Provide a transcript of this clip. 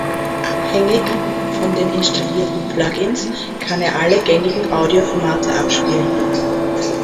Abhängig von den installierten Plugins kann er alle gängigen Audioformate abspielen.